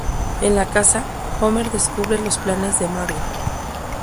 En la casa, Homer descubre los planes de Marge.